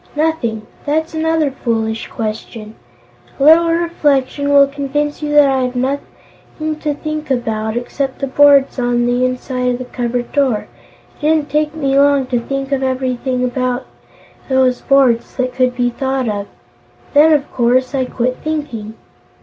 "Nothing. That's another foolish question. A little reflection will convince you that I have had nothing to think about, except the boards on the inside of the cupboard door, and it didn't take me long to think of everything about those boards that could be thought of. Then, of course, I quit thinking."